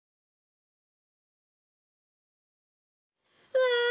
「うわ！